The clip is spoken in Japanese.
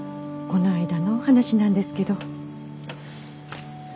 この間のお話なんですけど。